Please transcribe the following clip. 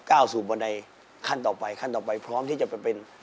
ก้าวสู่บันไดขั้นต่อไปขั้นต่อไปพร้อมที่จะไปเป็น